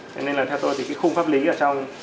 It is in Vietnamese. cho nên là theo tôi thì cái khung pháp lý ở trong